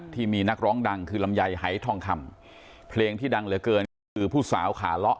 ที่มีนักร้องดังคือลำไยหายทองคำเพลงที่ดังเหลือเกินก็คือผู้สาวขาเลาะ